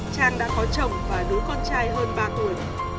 trang đã có chồng và đứa con trai hơn ba tuổi